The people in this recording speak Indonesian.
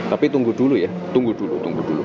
tapi tunggu dulu ya tunggu dulu tunggu dulu